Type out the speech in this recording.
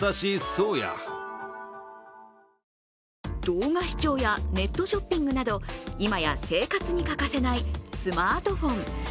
動画視聴やネットショッピングなど今や生活に欠かせないスマートフォン。